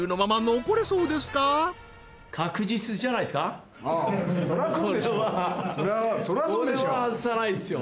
これは外さないですよ